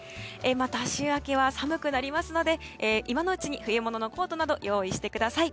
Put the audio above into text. また週明けは寒くなりますので今のうちに冬物のコートなどを用意してください。